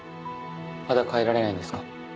まだ帰られないんですか？